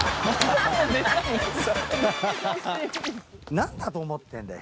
何だと思ってんだよ？